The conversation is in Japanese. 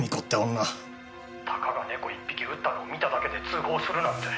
「たかが猫１匹撃ったのを見ただけで通報するなんて」